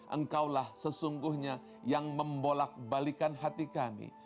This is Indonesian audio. engkaulah sesungguhnya yang membolak balikan hati kami